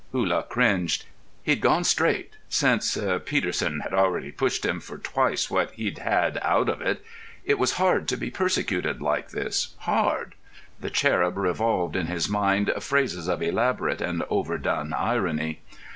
Hullah cringed. He'd gone straight since—Peterson had already pushed him for twice what he'd had out of it—it was hard to be persecuted like this, hard. The cherub revolved in his mind phrases of elaborate and over done irony.